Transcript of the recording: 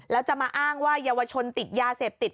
แล้วจะมาอ้างว่าเยาวชนติดยาเสพติด